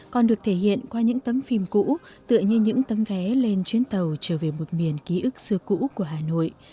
còn được thể hiện qua những tấm phim cũ tựa như những tấm vé lên chuyến tàu trở về một miền ký ức xưa cũ của hà nội